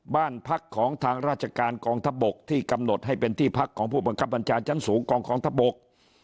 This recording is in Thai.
บ้านพักของทางราชการกองทัพบกที่กำหนดให้เป็นที่พักของผู้บังคับบัญชาชั้นสูงกองกองทัพบก